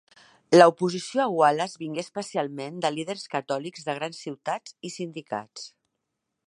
L'oposició a Wallace vingué especialment de líders catòlics de grans ciutats i sindicats.